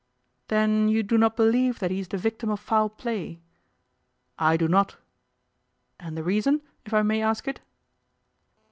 'Then you do not believe that he is the victim of foul play?' 'I do not.' 'And the reason, if I may ask it?